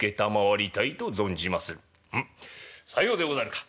「うんさようでござるか。